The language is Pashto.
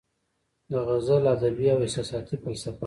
د غزل ادبي او احساساتي فلسفه